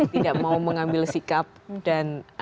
tidak mau mengambil sikap dan